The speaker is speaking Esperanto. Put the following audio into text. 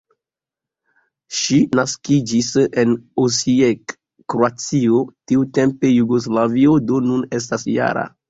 Ŝi naskiĝis en Osijek, Kroatio, tiutempe Jugoslavio, do nun estas -jara.